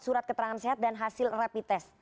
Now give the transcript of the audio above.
surat keterangan sehat dan hasil rapid test